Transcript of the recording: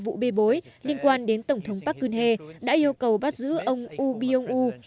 đưa ra trong bối cảnh nhóm công tố đặc biệt điều tra vụ bê bối liên quan đến tổng thống park geun hye đã yêu cầu bắt giữ ông woo byung woo